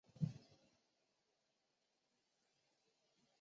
麦迪逊县是美国爱达荷州东部的一个县。